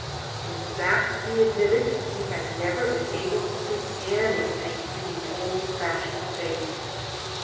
In f act, he admitted, he had never been able to see anything in the old fashioned faith.